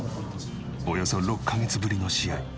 およそ６カ月ぶりの試合。